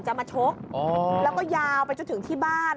จะมาชกแล้วก็ยาวไปจนถึงที่บ้าน